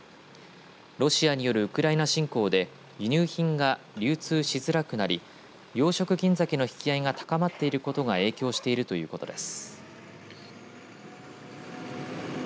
ロシアによるウクライナ侵攻で輸入品が流通しづらくなり養殖銀ざけの引き合いが高まっていることが影響しているということです。